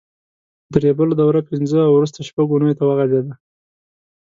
د ریبلو دوره پینځه او وروسته شپږ اوونیو ته وغځېده.